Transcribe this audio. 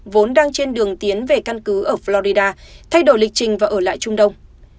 vốn đang trên đường tiến về căn cứ ở florida thay đổi lịch trình và ở lại trung đông